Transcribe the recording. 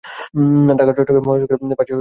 ঢাকা-চট্টগ্রাম মহাসড়কের পাশেই এর অবস্থান।